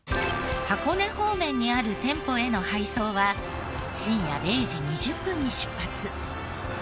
箱根方面にある店舗への配送は深夜０時２０分に出発。